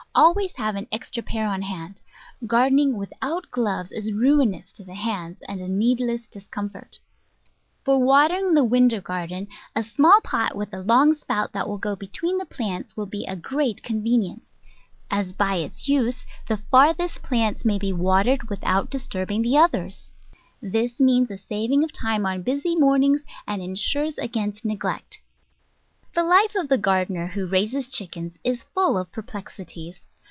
Always have an extra pair on hand. Gardening without gloves is ruinous to the hands and a needless discomfort. For watering the window garden, a small pot with a long spout that will go between the plants will be a great convenience, as by its use the farthest plants may be watered without disturbing the others. This means a saving of time on busy mornings, and insures against neglect. The life of the gardener who raises chickens is full of perplexities.